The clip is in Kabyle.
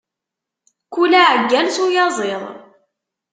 Kul aɛeggal s uyaziḍ.